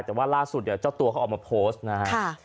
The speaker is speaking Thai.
แต่ว่าล่าสุดเจ้าตัวเขาออกมาโพสต์นะครับ